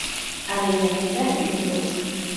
Avellaneda y Mendoza.